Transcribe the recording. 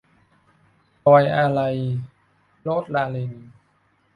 รอยอาลัย - โรสลาเรน